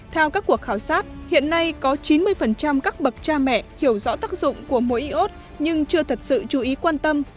theo các cuộc khảo sát hiện nay có chín mươi các bậc cha mẹ hiểu rõ tác dụng của mỗi iốt nhưng chưa thật sự chú ý quan tâm